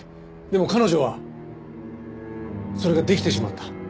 でも彼女はそれができてしまった。